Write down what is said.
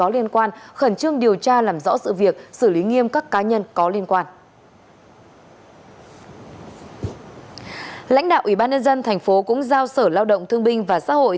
lãnh đạo ủy ban nhân dân thành phố cũng giao sở lao động thương binh và xã hội